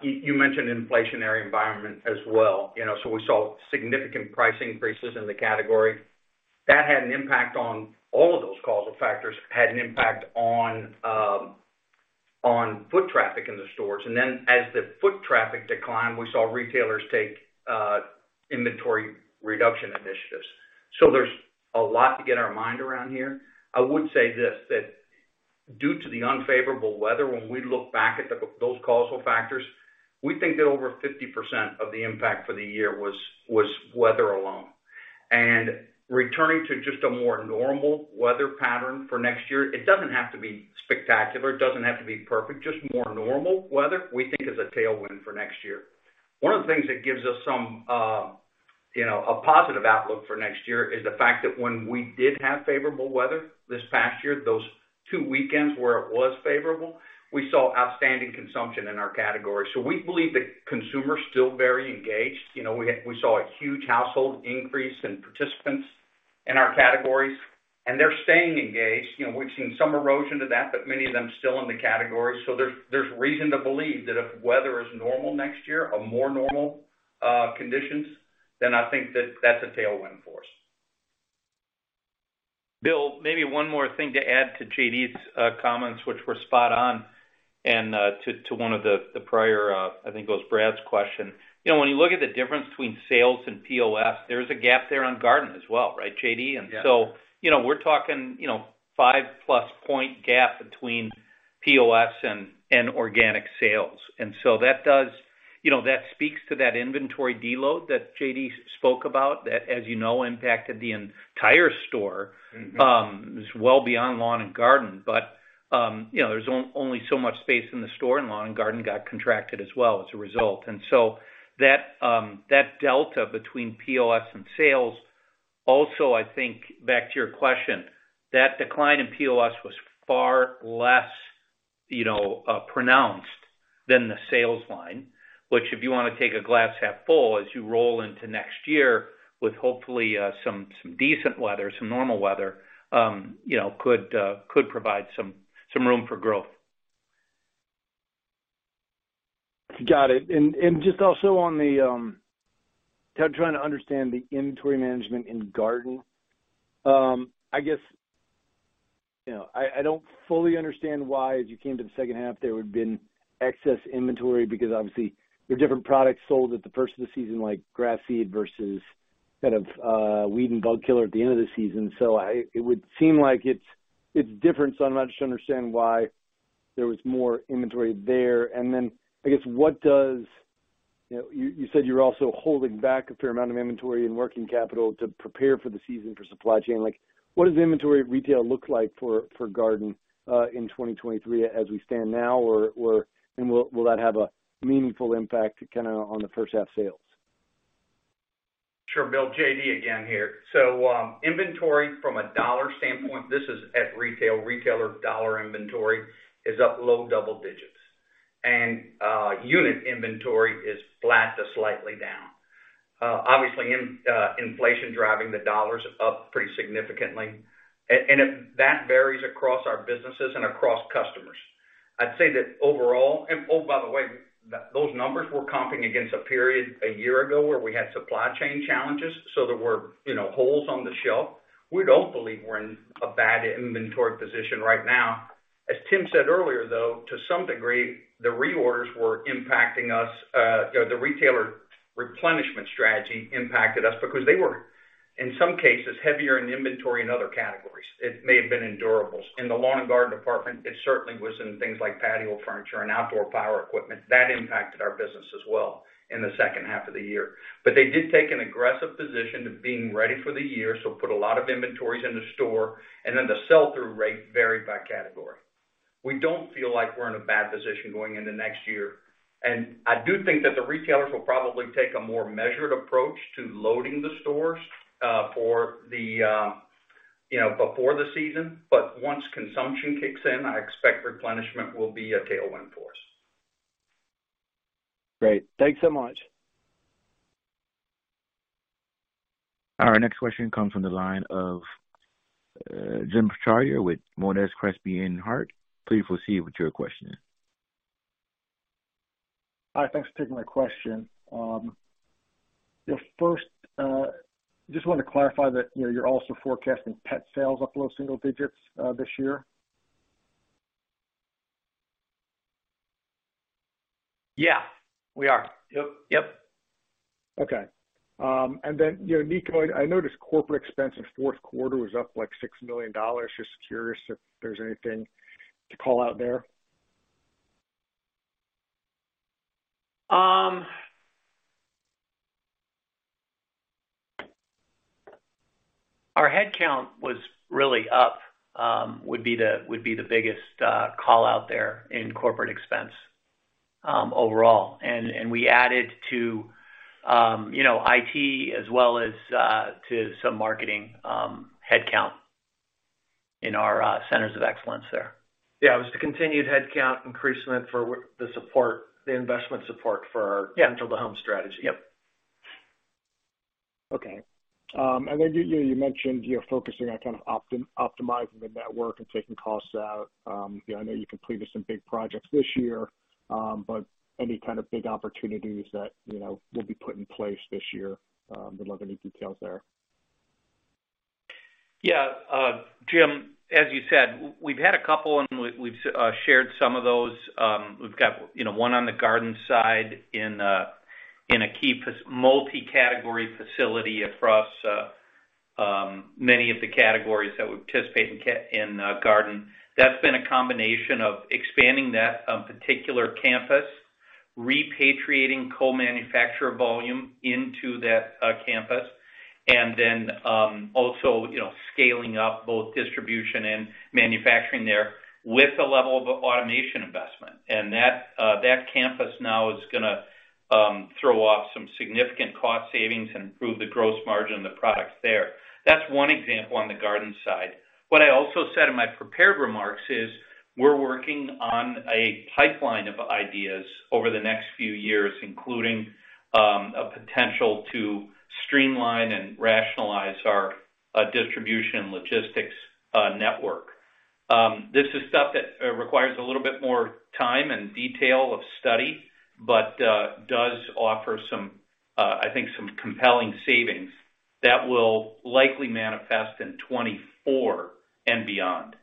You mentioned inflationary environment as well, you know, so we saw significant price increases in the category. That had an impact on. All of those causal factors had an impact on foot traffic in the stores. As the foot traffic declined, we saw retailers take inventory reduction initiatives. There's a lot to get our mind around here. I would say this, that due to the unfavorable weather, when we look back at those causal factors, we think that over 50% of the impact for the year was weather alone. Returning to just a more normal weather pattern for next year, it doesn't have to be spectacular, it doesn't have to be perfect, just more normal weather, we think is a tailwind for next year. One of the things that gives us some, you know, a positive outlook for next year is the fact that when we did have favorable weather this past year, those 2 weekends where it was favorable, we saw outstanding consumption in our category. We believe the consumer is still very engaged. You know, we saw a huge household increase in participants in our categories, and they're staying engaged. You know, we've seen some erosion to that, but many of them still in the category. There's reason to believe that if weather is normal next year or more normal conditions, then I think that's a tailwind for us. Bill, maybe one more thing to add to J.D.'s comments, which were spot on, and to one of the prior, I think it was Brad's question. You know, when you look at the difference between sales and POS, there's a gap there on garden as well, right, J.D.? Yeah. You know, we're talking, you know, 5-plus point gap between POS and organic sales. You know, that speaks to that inventory deload that J.D. spoke about, that, as you know, impacted the entire store as well beyond lawn and garden. You know, there's only so much space in the store, and lawn and garden got contracted as well as a result. That, that delta between POS and sales, also, I think back to your question, that decline in POS was far less, you know, pronounced than the sales line, which if you wanna take a glass half full as you roll into next year with hopefully, some decent weather, some normal weather, you know, could provide some room for growth. Got it. Trying to understand the inventory management in garden. I guess, you know, I don't fully understand why, as you came to the second half, there would've been excess inventory because obviously there are different products sold at the first of the season, like grass seed versus kind of weed and bug killer at the end of the season. It would seem like it's different, so I'm not sure understand why there was more inventory there. I guess, you know, you said you're also holding back a fair amount of inventory and working capital to prepare for the season for supply chain. Like, what does inventory retail look like for garden in 2023 as we stand now? Will that have a meaningful impact kinda on the first half sales? Sure, Bill. J.D. again here. Inventory from a dollar standpoint, this is at retail. Retailer dollar inventory is up low double digits. Unit inventory is flat to slightly down. Obviously inflation driving the dollars up pretty significantly. That varies across our businesses and across customers. I'd say that overall. Oh, by the way, those numbers were comping against a period a year ago where we had supply chain challenges, so there were, you know, holes on the shelf. We don't believe we're in a bad inventory position right now. As Tim said earlier, though, to some degree, the reorders were impacting us. You know, the retailer replenishment strategy impacted us because they were, in some cases, heavier in inventory in other categories. It may have been in durables. In the lawn and garden department, it certainly was in things like patio furniture and outdoor power equipment. That impacted our business as well in the second half of the year. They did take an aggressive position of being ready for the year, so put a lot of inventories in the store, and then the sell-through rate varied by category. We don't feel like we're in a bad position going into next year. I do think that the retailers will probably take a more measured approach to loading the stores, for the, you know, before the season. Once consumption kicks in, I expect replenishment will be a tailwind for us. Great. Thanks so much. Our next question comes from the line of Jim Chartier with Monness, Crespi, Hardt. Please proceed with your question. Hi. Thanks for taking my question. First, just wanted to clarify that, you know, you're also forecasting pet sales up low single digits this year? Yeah, we are. Yep. Yep. Okay. you know, Niko, I noticed corporate expense in fourth quarter was up, like, $6 million. Just curious if there's anything to call out there. Our headcount was really up, would be the biggest call-out there in corporate expense, overall. We added to, you know, IT as well as to some marketing headcount in our centers of excellence there. Yeah, it was the continued headcount increasement for the support, the investment support for our. Yeah. digital to home strategy. Yep. Okay. You, you mentioned you're focusing on kind of optimizing the network and taking costs out. You know, I know you completed some big projects this year. Any kind of big opportunities that, you know, will be put in place this year? Would love any details there. Yeah. Jim, as you said, we've had a couple, and we've shared some of those. We've got, you know, one on the garden side in a key multi-category facility across many of the categories that would participate in garden. That's been a combination of expanding that particular campus, repatriating co-manufacturer volume into that campus, and then, also, you know, scaling up both distribution and manufacturing there with a level of automation investment. That campus now is gonna throw off some significant cost savings and improve the gross margin of the products there. That's one example on the garden side. What I also said in my prepared remarks is we're working on a pipeline of ideas over the next few years, including a potential to streamline and rationalize our distribution logistics network. This is stuff that requires a little bit more time and detail of study, but does offer some I think some compelling savings that will likely manifest in 2024 and beyond.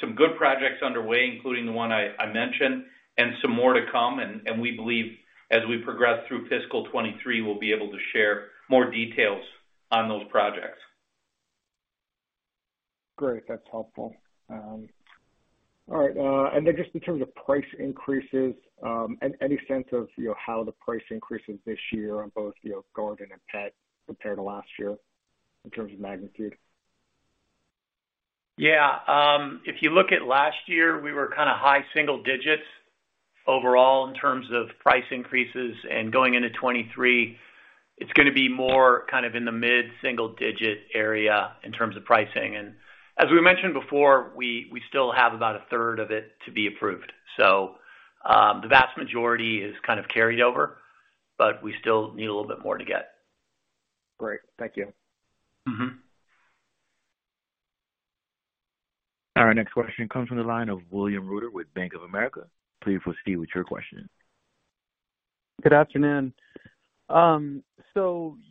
Some good projects underway, including the one I mentioned, and some more to come. We believe as we progress through fiscal 2023, we'll be able to share more details on those projects. Great. That's helpful. All right, then just in terms of price increases, and any sense of, you know, how the price increases this year on both, you know, garden and pet compared to last year in terms of magnitude? Yeah. If you look at last year, we were kind of high single digits overall in terms of price increases. Going into 2023, it's gonna be more kind of in the mid-single digit area in terms of pricing. As we mentioned before, we still have about a third of it to be approved. The vast majority is kind of carried over, but we still need a little bit more to get. Great. Thank you. Mm-hmm. Our next question comes from the line of William Reuter with Bank of America. Please proceed with your question. Good afternoon.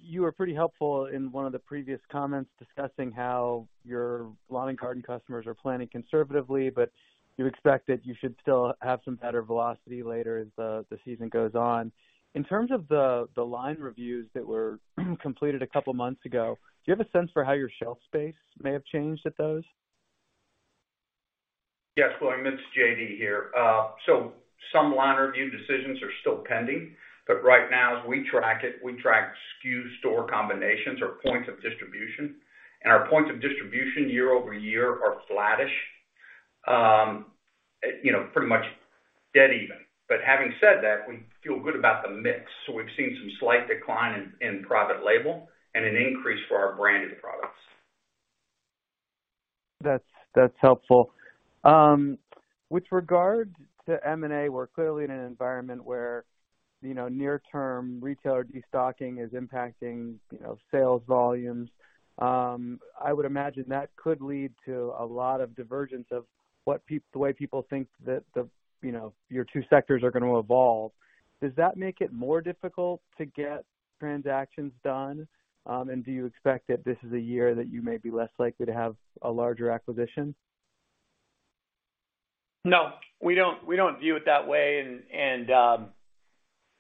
You were pretty helpful in one of the previous comments discussing how your lawn and garden customers are planning conservatively, but you expect that you should still have some better velocity later as the season goes on. In terms of the line reviews that were completed a couple months ago, do you have a sense for how your shelf space may have changed at those? William, it's J.D. here. Some line review decisions are still pending, but right now, as we track it, we track SKU store combinations or points of distribution. Our points of distribution year-over-year are flattish. You know, pretty much dead even. Having said that, we feel good about the mix. We've seen some slight decline in private label and an increase for our branded products. That's helpful. With regard to M&A, we're clearly in an environment where, you know, near term retailer destocking is impacting, you know, sales volumes. I would imagine that could lead to a lot of divergence of what the way people think that the, you know, your two sectors are gonna evolve. Does that make it more difficult to get transactions done? Do you expect that this is a year that you may be less likely to have a larger acquisition? No. We don't view it that way.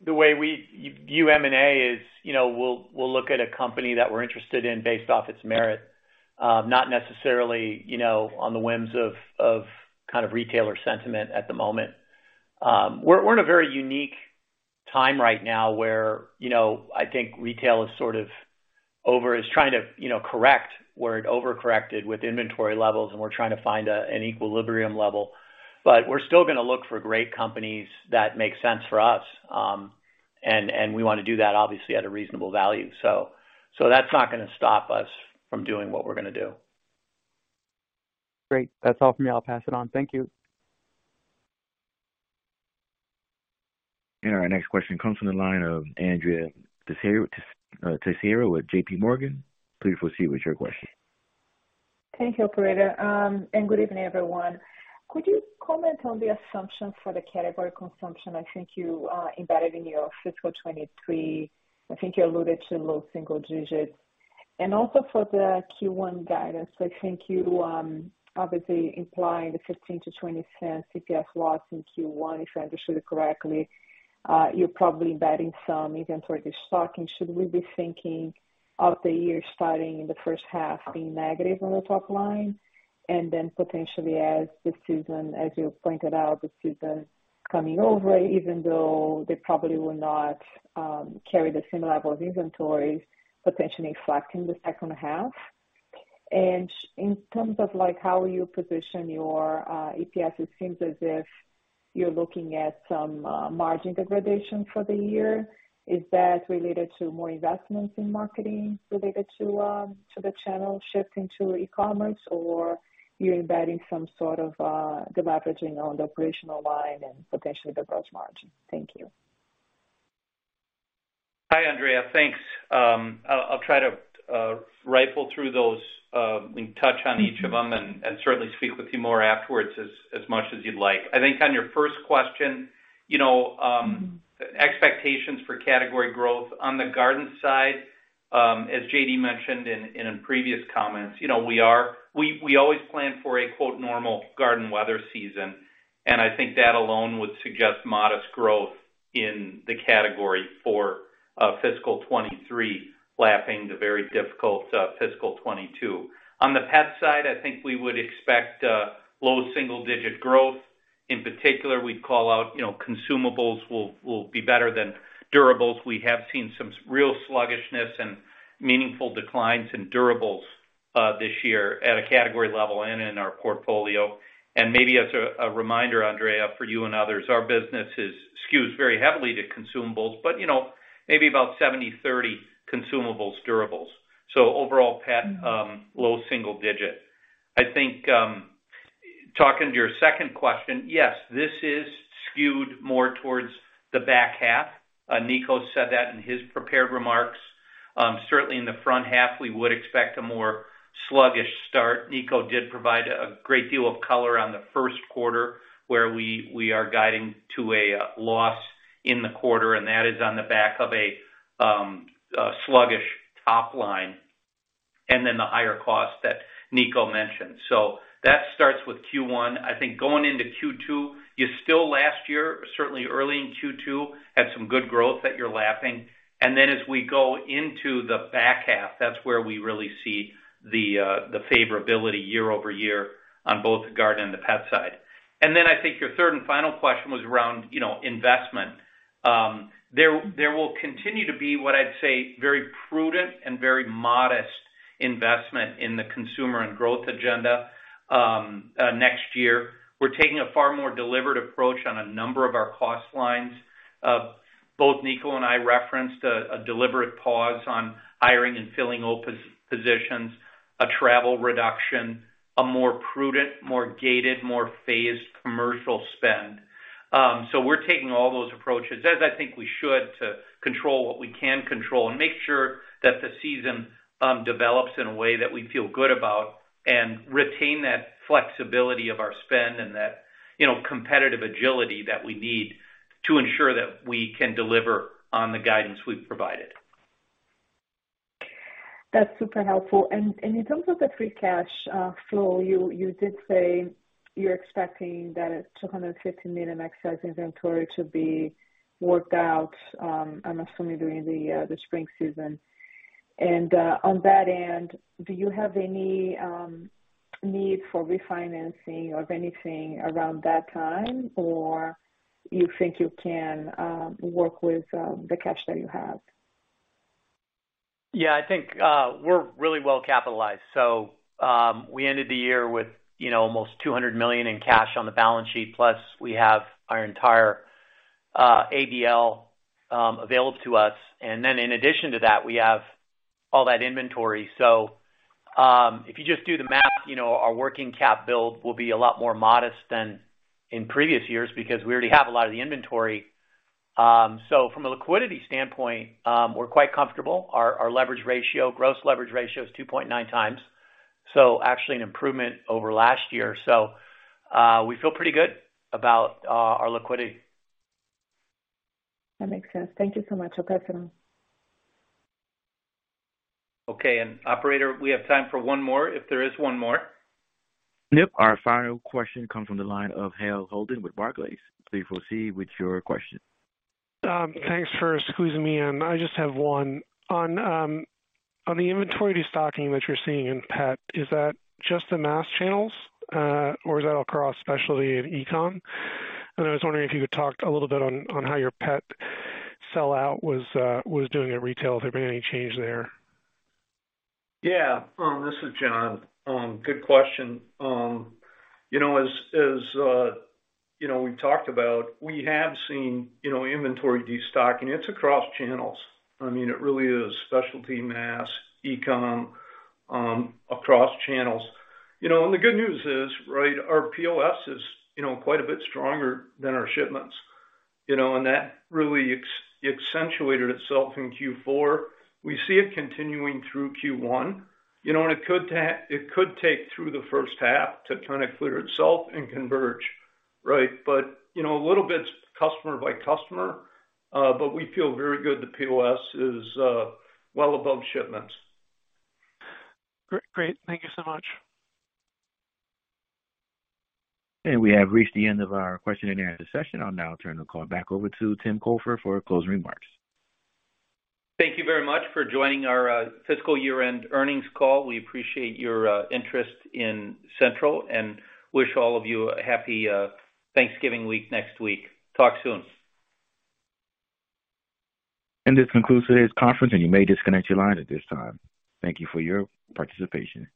The way we view M&A is, you know, we'll look at a company that we're interested in based off its merit, not necessarily, you know, on the whims of kind of retailer sentiment at the moment. We're in a very unique time right now where, you know, I think retail is sort of trying to, you know, correct where it overcorrected with inventory levels, and we're trying to find an equilibrium level. We're still gonna look for great companies that make sense for us. And we wanna do that obviously at a reasonable value. That's not gonna stop us from doing what we're gonna do. Great. That's all for me. I'll pass it on. Thank you. Our next question comes from the line of Andrea Teixeira with J.P. Morgan. Please proceed with your question. Thank you, operator. Good evening, everyone. Could you comment on the assumptions for the category consumption I think you embedded in your fiscal 2023? I think you alluded to low single digits. Also for the Q1 guidance, I think you obviously implying the $0.15-$0.20 EPS loss in Q1, if I understood correctly. You're probably embedding some inventory stocking. Should we be thinking of the year starting in the first half being negative on the top line and then potentially as the season, as you pointed out, the season coming over, even though they probably will not carry the same level of inventory, potentially flattening the second half. In terms of, like, how you position your EPS, it seems as if you're looking at some margin degradation for the year. Is that related to more investments in marketing related to the channel shifting to e-commerce? You're embedding some sort of, deleveraging on the operational line and potentially the gross margin? Thank you. Hi, Andrea. Thanks. I'll try to rifle through those and touch on each of them and certainly speak with you more afterwards as much as you'd like. I think on your first question, you know, expectations for category growth on the garden side, as J.D. mentioned in previous comments, you know, We always plan for a quote, "normal garden weather season." I think that alone would suggest modest growth in the category for fiscal 23, lapping the very difficult fiscal 22. On the pet side, I think we would expect low single-digit growth. In particular, we'd call out, you know, consumables will be better than durables. We have seen some real sluggishness and meaningful declines in durables, this year at a category level and in our portfolio. Maybe as a reminder, Andrea, for you and others, our business is skewed very heavily to consumables, but, you know, maybe about 70/30 consumables durables. Overall pet, low single digit. I think, talking to your second question, yes, this is skewed more towards the back half. Nico said that in his prepared remarks. Certainly in the front half we would expect a more sluggish start. Nico did provide a great deal of color on the first quarter, where we are guiding to a loss in the quarter, and that is on the back of a sluggish top line, and then the higher cost that Nico mentioned. That starts with Q1. I think going into Q2, you still last year, certainly early in Q2, had some good growth that you're lapping. As we go into the back half, that's where we really see the favorability year-over-year on both the garden and the pet side. I think your third and final question was around, you know, investment. There will continue to be, what I'd say, very prudent and very modest investment in the consumer and growth agenda next year. We're taking a far more deliberate approach on a number of our cost lines. Both Niko and I referenced a deliberate pause on hiring and filling open positions, a travel reduction, a more prudent, more gated, more phased commercial spend. We're taking all those approaches, as I think we should, to control what we can control and make sure that the season develops in a way that we feel good about and retain that flexibility of our spend and that, you know, competitive agility that we need to ensure that we can deliver on the guidance we've provided. That's super helpful. In terms of the free cash flow, you did say you're expecting that $250 million excess inventory to be worked out, I'm assuming during the spring season. On that end, do you have any need for refinancing of anything around that time? Or you think you can work with the cash that you have? Yeah, I think, we're really well capitalized. We ended the year with, you know, almost $200 million in cash on the balance sheet, plus we have our entire ABL available to us. In addition to that, we have all that inventory. If you just do the math, you know, our working cap build will be a lot more modest than in previous years because we already have a lot of the inventory. From a liquidity standpoint, we're quite comfortable. Our leverage ratio, gross leverage ratio is 2.9 times. Actually an improvement over last year. We feel pretty good about our liquidity. That makes sense. Thank you so much. I'll pass it on. Okay. Operator, we have time for 1 more, if there is 1 more. Yep. Our final question comes from the line of Hale Holden with Barclays. Please proceed with your question. Thanks for squeezing me in. I just have one. On, on the inventory destocking that you're seeing in Pet, is that just the mass channels, or is that across specialty and e-com? I was wondering if you could talk a little bit on how your Pet sellout was doing at retail. If there'd been any change there? Yeah. This is John. Good question. You know, as, you know, we've talked about, we have seen, you know, inventory destocking. It's across channels. I mean, it really is specialty, mass, e-com, across channels. You know, the good news is, right, our POS is, you know, quite a bit stronger than our shipments, you know, that really accentuated itself in Q4. We see it continuing through Q1, you know, and it could take through the first half to kind of clear itself and converge, right? You know, a little bit customer by customer. We feel very good that POS is well above shipments. Great. Thank you so much. We have reached the end of our question and answer session. I'll now turn the call back over to Tim Cofer for closing remarks. Thank you very much for joining our fiscal year-end earnings call. We appreciate your interest in Central and wish all of you a happy Thanksgiving week next week. Talk soon. This concludes today's conference, and you may disconnect your line at this time. Thank you for your participation.